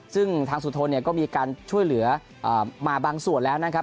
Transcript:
ซึ่งทางสุธนเนี่ยก็มีการช่วยเหลือมาบางส่วนแล้วนะครับ